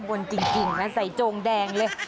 บนจริงนะใส่โจงแดงเลย